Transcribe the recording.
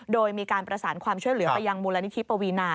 โดยมีการประสานความช่วยเหลือไปยังมูลนิธิปวีนา